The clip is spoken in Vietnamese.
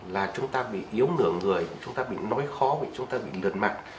là chúng ta bị yếu nửa người chúng ta bị nói khó chúng ta bị lượt mạng